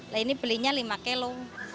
nah ini belinya lima kilo